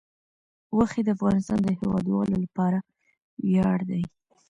غوښې د افغانستان د هیوادوالو لپاره ویاړ دی.